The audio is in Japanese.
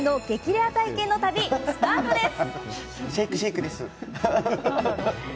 レア体験の旅スタートです。